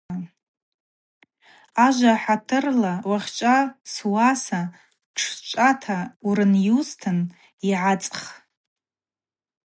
Ажва ахӏатырла: уахьчӏва суаса шӏчӏвата урынйузтын – йгӏацх.